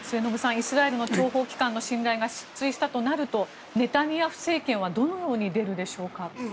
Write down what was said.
イスラエルの諜報機関の信頼が失墜したとなるとネタニヤフ政権はどのように出るでしょうか。